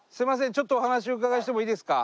ちょっとお話をお伺いしてもいいですか？